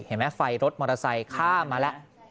เห็นไหมไฟรถมอเตอร์ไซค่ามาแล้ว